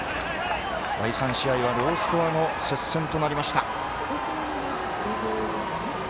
第３試合はロースコアの接戦となりました。